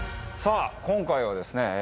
さあ今回はですね